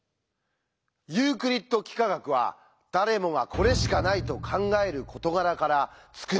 ユークリッド幾何学は誰もが「これしかない」と考える事柄から作られたって。